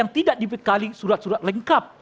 tidak dipitkali surat surat lengkap